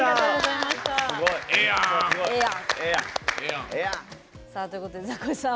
ええやん。ということで、ザコシさん